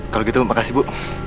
kalo gitu makasih bu